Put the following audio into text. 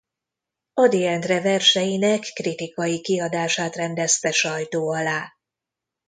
Ady Endre verseinek kritikai kiadását rendezte sajtó alá.